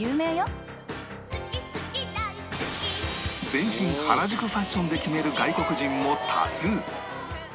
全身原宿ファッションで決める外国人も多数